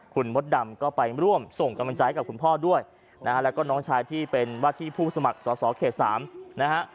คุณมดดำก็ไปร่วมส่งกำลังใจให้กับคุณพ่อด้วยนะฮะแล้วก็น้องชายที่เป็นว่าที่ผู้สมัครสอสอเขต๓นะฮะ